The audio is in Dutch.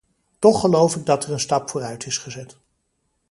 Toch geloof ik dat er een stap vooruit is gezet.